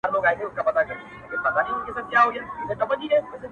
• د لومړي ځل لپاره خپل شعر ولووست ,